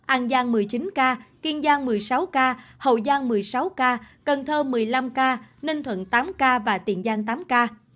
an giang một mươi chín ca kiên giang một mươi sáu ca hậu giang một mươi sáu ca cần thơ một mươi năm ca ninh thuận tám ca và tiền giang tám ca